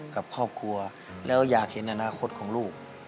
กับครอบครัวแล้วอยากเห็นอนาคตของลูก